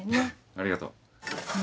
ありがとね。